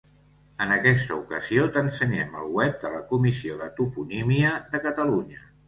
En aquesta ocasió t'ensenyem el web de la Comissió de Toponímia de Catalunya.